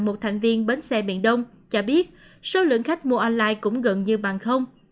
một thành viên bến xe miền đông cho biết số lượng khách mua online cũng gần như bằng không